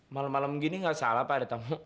malam malam gini gak salah pak ada tamu